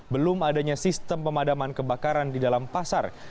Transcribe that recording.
belum adanya sistem pemadaman kebakaran di dalam pasar